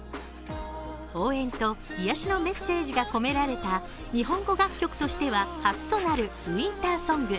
応援と癒しのメッセージが込められた日本語楽曲としては初となるウインターソング。